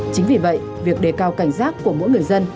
chính vì vậy việc đề cao cảnh giác của mỗi người dân